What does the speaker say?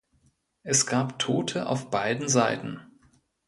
Es gab Tote auf beiden Seiten.